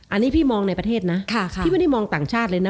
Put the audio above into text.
อันนี้พี่มองในประเทศนะพี่ไม่ได้มองต่างชาติเลยนะ